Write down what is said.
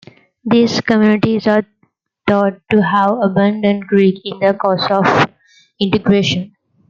These communities are thought to have abandoned Greek in the course of integration.